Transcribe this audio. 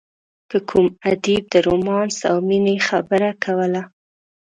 که کوم ادیب د رومانس او مینې خبره کوله.